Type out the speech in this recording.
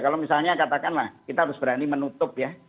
kalau misalnya katakanlah kita harus berani menutup ya